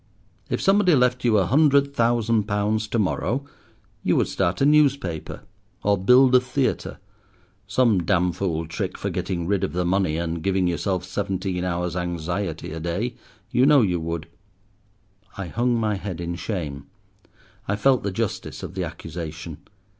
If somebody left you a hundred thousand pounds to morrow, you would start a newspaper, or build a theatre—some damn fool trick for getting rid of the money and giving yourself seventeen hours' anxiety a day; you know you would." I hung my head in shame. I felt the justice of the accusation.